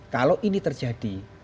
kalau ini terjadi